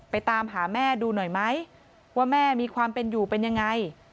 ตามหาแม่ดูหน่อยไหมว่าแม่มีความเป็นอยู่เป็นยังไง